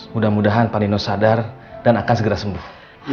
mudah mudahan pak nino sadar dan akan segera sembuh